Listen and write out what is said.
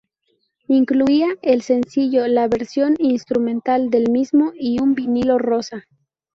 Incluía el sencillo, la versión instrumental del mismo y un vinilo rosa.